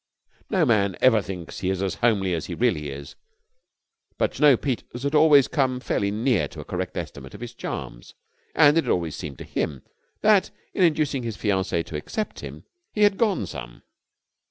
No man ever thinks he is as homely as he really is, but Jno. Peters had always come fairly near to a correct estimate of his charms, and it had always seemed to him, that, in inducing his fiancee to accept him, he had gone some.